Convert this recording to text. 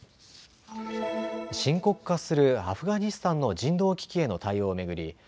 深刻化するアフガニスタンの人道危機への対応を巡り